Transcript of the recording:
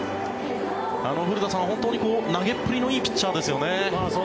古田さん、本当に投げっぷりのいいピッチャーですよね。